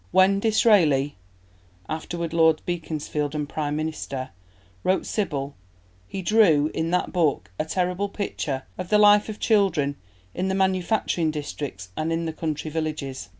When Disraeli, afterward Lord Beaconsfield and Prime Minister, wrote Sybil, he drew, in that book, a terrible picture of the life of children in the manufacturing districts and in the country villages.